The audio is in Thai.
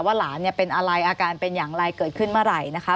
หลานเป็นอะไรอาการเป็นอย่างไรเกิดขึ้นเมื่อไหร่นะคะ